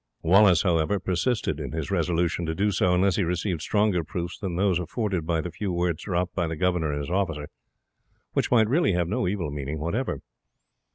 Wallace, however, persisted in his resolution to do so, unless he received stronger proofs than those afforded by the few words dropped by the governor and his officer, which might really have no evil meaning whatever.